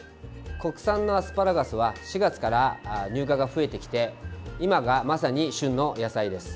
国産のアスパラガスは４月から入荷が増えてきて今がまさに旬の野菜です。